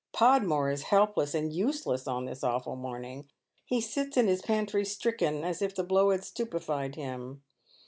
Podmore is helpless and useless on this awful morning. He sits in his pantry stricken, as if the blow had stupefied him.